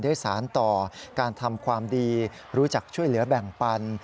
ได้สารต่อการทำความดีรู้จักช่วยเหลือแบ่งปัน